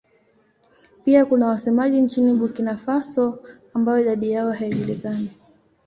Pia kuna wasemaji nchini Burkina Faso ambao idadi yao haijulikani.